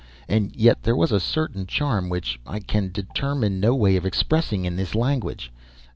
And yet there was a certain charm which I can determine no way of expressing in this language.